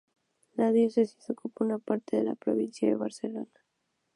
La diócesis ocupa una parte de la provincia de Barcelona.